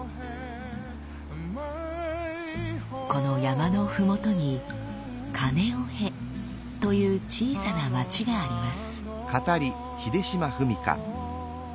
この山のふもとにカネオヘという小さな町があります。